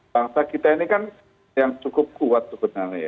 bangsa kita ini kan yang cukup kuat sebenarnya ya